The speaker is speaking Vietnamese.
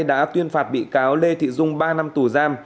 đã tuyên phạt bị cáo lê thị dung ba năm tù giam